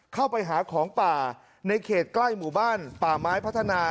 เข้าไปหาของป่าในเขตใกล้หมู่บ้านป่าไม้พัฒนา